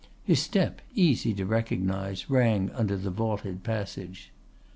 His step, easy to recognize, rang under the vaulted passage.